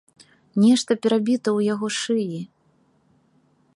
Нешта перабіта ў яго шыі.